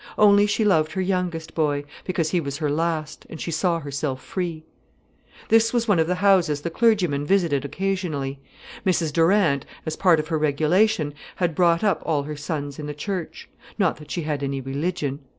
Only she loved her youngest boy, because he was her last, and she saw herself free. This was one of the houses the clergyman visited occasionally. Mrs Durant, as part of her regulation, had brought up all her sons in the Church. Not that she had any religion.